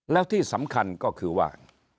แล้วที่สำคัญก็คือว่า